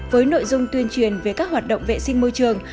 với nội dung tuyên truyền về các hoạt động vệ sinh môi trường